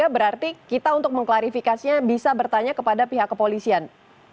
berarti kita untuk mengklarifikasinya bisa bertanya kepada pihak kepolisian